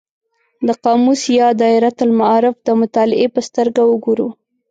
د قاموس یا دایرة المعارف د مطالعې په سترګه وګورو.